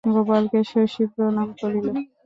গোপালকে শশী প্রণাম করিল।